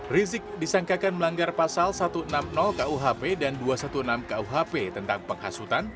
rizik disangkakan melanggar pasal satu ratus enam puluh kuhp dan dua ratus enam belas kuhp tentang penghasutan